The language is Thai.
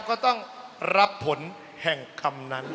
ก็ต้องรับผลแห่งคำนั้น